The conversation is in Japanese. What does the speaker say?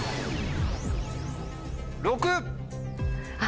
「６」！